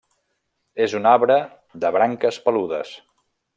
És un arbre de branques peludes.